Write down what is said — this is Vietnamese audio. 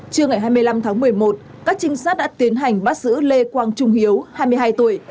trưa ngày hai mươi năm tháng một mươi một các trinh sát đã tiến hành bắt giữ lê quang trung hiếu hai mươi hai tuổi